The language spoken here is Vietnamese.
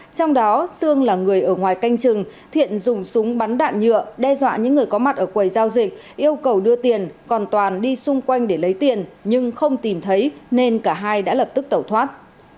trong đó sương là người ở ngoài canh chừng thiện dùng súng bắn đạn nhựa đe dọa những người có mặt ở quầy giao dịch yêu cầu đưa tiền còn toàn đi xung quanh để lấy tiền nhưng không tìm thấy nên cả hai đã lập tức tẩu thoát